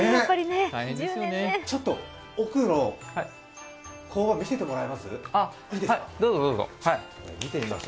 ちょっと、奥の工場、見せてもらえます？